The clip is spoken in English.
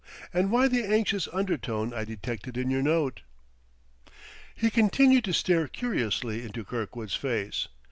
And why the anxious undertone I detected in your note?" He continued to stare curiously into Kirkwood's face.